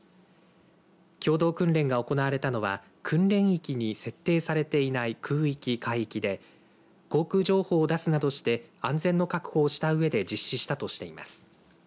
共同訓練が行われたのは訓練域に設定されていない空海域で航空情報を出すなどして安全を確保したうえで実施したとしています。